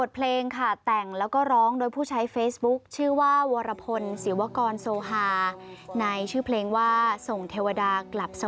ขอเป็นข้าร้องทุนีเพื่อป่าไม่ว่าชาตินี้หรือว่าชาติไหน